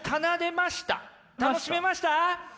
楽しめました？